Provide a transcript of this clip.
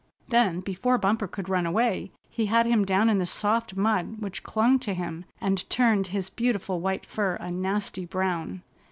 Then before Bumper could run away he had him down in the soft mud, which clung to him and turned his beautiful white fur a nasty brown.